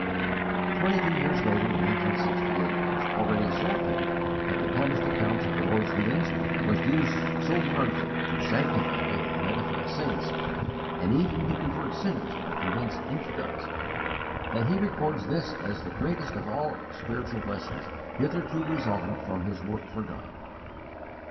A. T. P. Twenty two years later, in 1868, it was already so apparent that the published accounts of the Lord's dealings was used so largely to sanctify and edify saints and even to convert sinners and convince infidels, that he records this as the greatest of all the spiritual blessings hitherto resulting from his work for God.